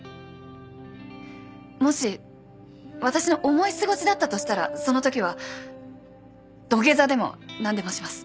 もし私の思い過ごしだったとしたらそのときは土下座でも何でもします。